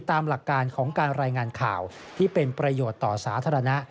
ตามหลักการของการรายงานข่าวที่เป็นประโยชน์ต่อสาธารณะ